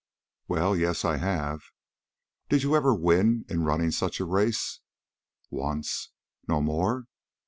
"Well, yes, I have." "Did you ever win in running such a race?" "Once." "No more?"